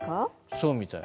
そうみたい。